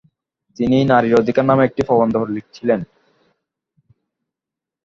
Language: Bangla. তিনি ‘নারীর অধিকার’ নামে একটি প্রবন্ধ লিখছিলেন।